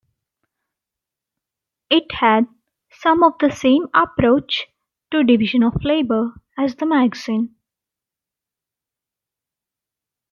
It had some of the same approach to division of labour as the magazine.